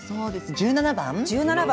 １７番。